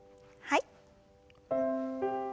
はい。